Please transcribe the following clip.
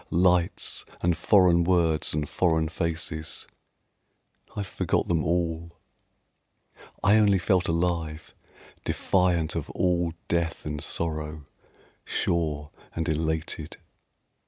Lights and foreign words and foreign faces, I forgot them all; I only felt alive, defiant of all death and sorrow, Sure and elated.